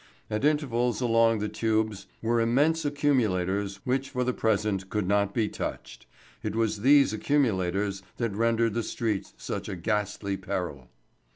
At intervals along the tubes were immense accumulators which for the present could not be touched. It was these accumulators that rendered the streets such a ghastly peril.